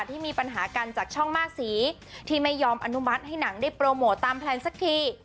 ที่มีปัญหากันจากช่องมากสีที่ไม่ยอมอนุมัติให้หนังได้โปรโมทตามแพลนสักที